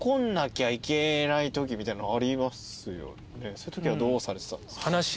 そういうときはどうされてたんですか？